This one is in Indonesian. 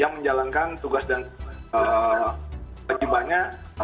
yang menjalankan tugas dan kejibanya